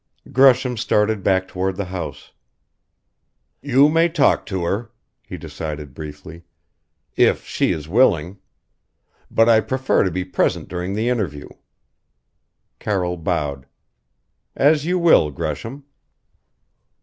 Gresham started back toward the house. "You may talk to her," he decided briefly "if she is willing. But I prefer to be present during the interview." Carroll bowed. "As you will, Gresham."